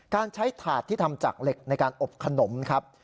การใช้ถาดที่ทำจากเหล็กในการอบขนมครับ